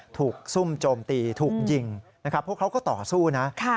ซุ่มโจมตีถูกยิงนะครับพวกเขาก็ต่อสู้นะ